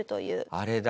あれだ。